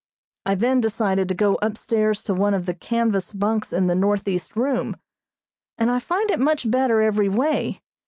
I then decided to go upstairs to one of the canvas bunks in the northeast room, and I find it much better every way.